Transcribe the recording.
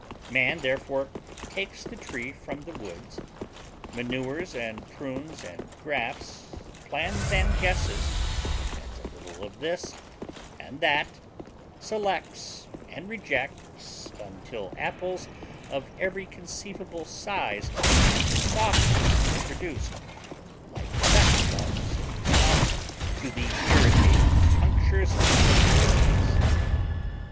Man, therefore, takes the tree from the woods, manures and prunes and grafts, plans and guesses, adds a little of this and that, selects and rejects, until apples of every conceivable size and softness are produced, like nut galls in response to the irritating punctures of insects.